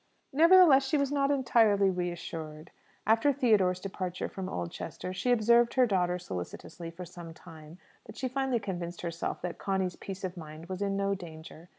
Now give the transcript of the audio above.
Nevertheless, she was not entirely reassured. After Theodore's departure from Oldchester she observed her daughter solicitously for some time; but she finally convinced herself that Conny's peace of mind was in no danger.